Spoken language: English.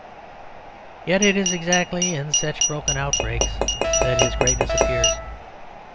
Yet it is exactly in such broken outbreaks that his greatness appears.